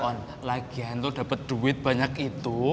on lagian tuh dapet duit banyak itu